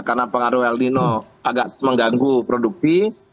karena pengaruh el dino agak mengganggu produksi